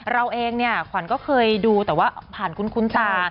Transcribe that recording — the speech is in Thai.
เราเองควันก็เคยดูแต่ว่าผ่านคุ้นคุ้นตา